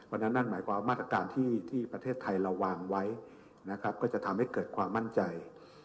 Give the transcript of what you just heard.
นั่นหมายความมาตรการที่ประเทศไทยเราวางไว้นะครับก็จะทำให้เกิดความมั่นใจ